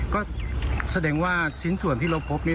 ก็แสดงว่าชิ้นส่วนที่เราพบนี้